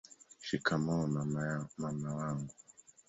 shikamoo mama wangu